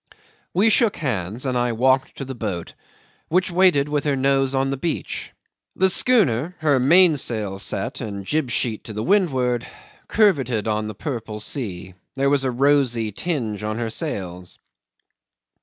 'We shook hands, and I walked to the boat, which waited with her nose on the beach. The schooner, her mainsail set and jib sheet to windward, curveted on the purple sea; there was a rosy tinge on her sails.